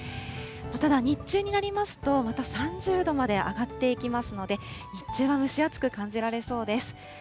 ただ日中になりますと、また３０度まで上がっていきますので、日中は蒸し暑く感じられそうです。